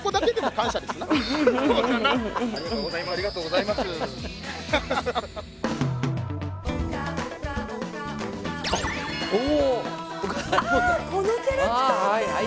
あこのキャラクターか！